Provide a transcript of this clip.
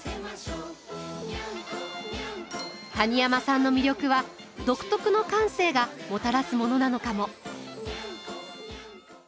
谷山さんの魅力は独特の感性がもたらすものなのかも。